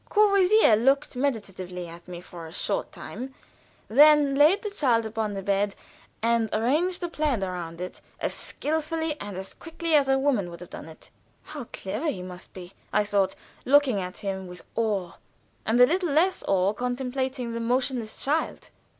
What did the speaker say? Courvoisier looked meditatively at me for a short time then laid the child upon the bed, and arranged the plaid around it as skillfully and as quickly as a woman would have done it. "How clever he must be," I thought, looking at him with awe, and with little less awe contemplating the motionless child.